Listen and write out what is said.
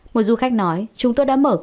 một du khách nói